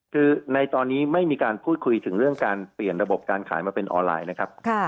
คือในตอนนี้ไม่มีการพูดคุยถึงเรื่องการเปลี่ยนระบบการขายมาเป็นออนไลน์นะครับ